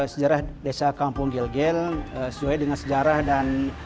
sejarah desa kampung gel gel sesuai dengan sejarah dan